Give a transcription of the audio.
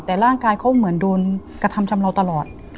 แต่ร่างกายเขาเหมือนโดนกระทำชำเลาตลอด